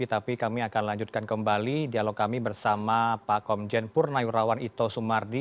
tapi kami akan lanjutkan kembali dialog kami bersama pak komjen purna yurawan ito sumardi